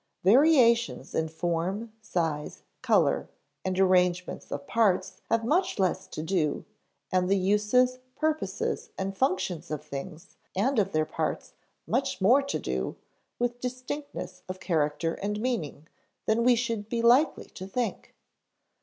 Variations in form, size, color, and arrangement of parts have much less to do, and the uses, purposes, and functions of things and of their parts much more to do, with distinctness of character and meaning than we should be likely to think.